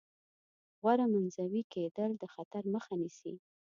غوره منزوي کېدل د خطر مخه نیسي.